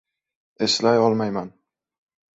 — Eslay olmayman.